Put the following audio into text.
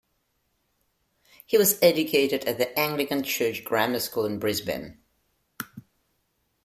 He was educated at the Anglican Church Grammar School in Brisbane.